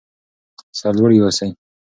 سر لوړي اوسئ.